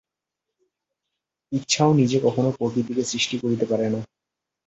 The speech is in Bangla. ইচ্ছাও নিজে কখনও প্রকৃতিকে সৃষ্টি করিতে পারে না।